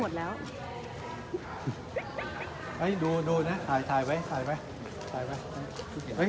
คนแคปไว้หมดแล้วเอ้ยดูดูนะถ่ายถ่ายไว้ถ่ายไว้